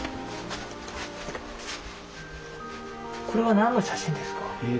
これは何の写真ですか？